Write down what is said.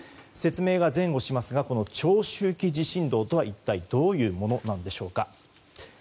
説明が前後しますが長周期地震動とは一体どういうものなんでしょうか。